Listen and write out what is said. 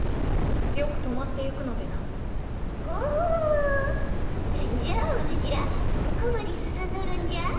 よく泊まってゆくのでなほほう何じゃおぬしらどこまで進んどるんじゃ？